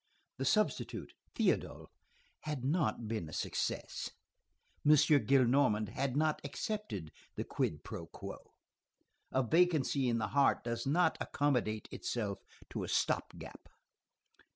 The substitute, Théodule, had not been a success. M. Gillenormand had not accepted the quid pro quo. A vacancy in the heart does not accommodate itself to a stop gap.